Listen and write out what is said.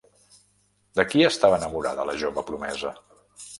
De qui estava enamorada la jove promesa?